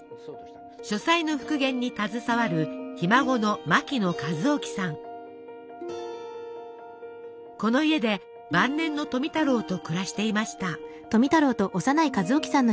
書斎の復元に携わるこの家で晩年の富太郎と暮らしていました。